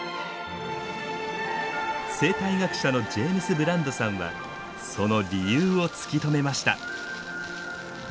生態学者のジェームス・ブランドさんはその理由を突き止めました。